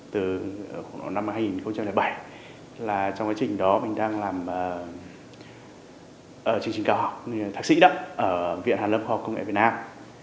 từ năm hai nghìn bảy là trong quá trình đó mình đang làm chương trình cao học thạc sĩ đó ở viện hàn lâm khoa học công nghệ việt nam